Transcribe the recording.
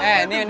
wah udah menang